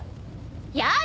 やだ！